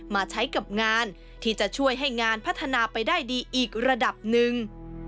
มาใช้กับงานที่จะช่วยให้งานพัฒนาไปได้ดีอีกระดับหนึ่ง